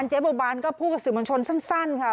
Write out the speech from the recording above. นั่นก็พูดกับสิ่งมันชนสั้นค่ะ